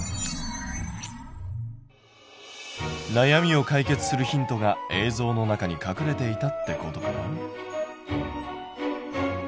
なやみを解決するヒントが映像の中に隠れていたってことかな？